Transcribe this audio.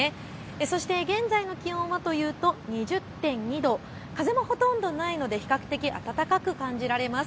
そして現在の気温は２０．２度、風もほとんどないので比較的暖かく感じられます。